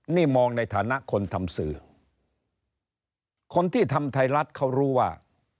นี่มองในฐานะคนทำสื่อคนที่ทำไทยรัฐเขารู้ว่า